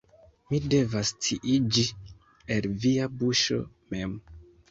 Mi devas sciiĝi el via buŝo mem.